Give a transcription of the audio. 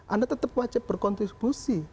anda tetap wajib berkontribusi